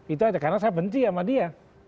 itu ada karena saya benci sama dia